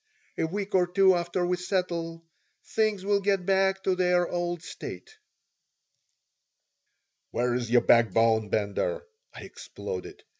"A week or two after we settle, things will get back to their old state." "Where's your backbone, Bender?" I exploded.